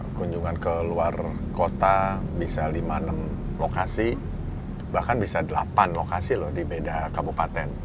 kunjungan ke luar kota bisa lima enam lokasi bahkan bisa delapan lokasi loh di beda kabupaten